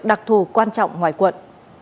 đặc thù quan trọng ngoài quận